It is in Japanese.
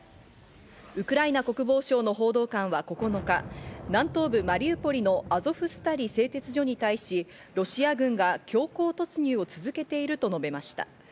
ウクライナ国防省の報道官は９日、南東部マリウポリのアゾフスタリ製鉄所に対し、ロシア軍が強行突入を続けていると述べました。